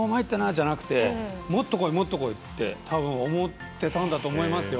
じゃなくてもっとこいってたぶん思ってたんだと思いますよ。